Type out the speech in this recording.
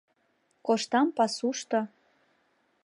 Коштам пасушто.